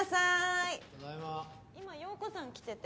今陽子さん来てて。